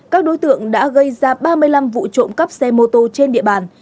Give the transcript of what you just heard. các đối tượng đã gây ra ba mươi năm vụ trộm cắp xe mô tô trên địa bàn